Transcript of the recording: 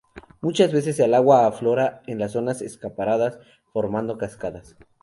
Muchas veces, el agua aflora en las zonas escarpadas formando cascadas.